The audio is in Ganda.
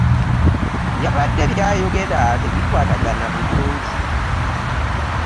Yabadde by'ayogera tebikwatagana bulungi.